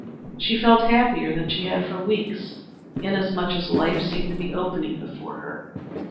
She felt happier than she had for weeks, inasmuch as life seemed to be opening before her.